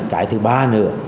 cái thứ ba nữa